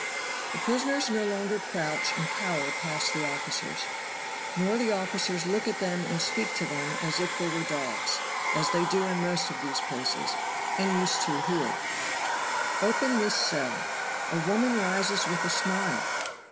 The prisoners no longer crouch and cower past the officers, nor the officers look at them and speak to them as if they were dogs, as they do in most of these places, and used to here. Open this cell. A woman rises with a smile!